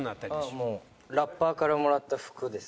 もうラッパーからもらった服です。